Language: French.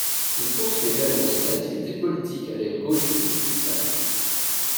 Il poursuit également son activité politique à l'aile gauche de l'Istiqlal.